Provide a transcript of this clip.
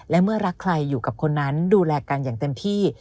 และเมื่อรักใครอยู่กับคนนั้นดูแลกันอย่างเต็มที่